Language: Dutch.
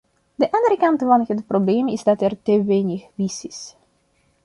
De andere kant van het probleem is dat er te weinig vis is.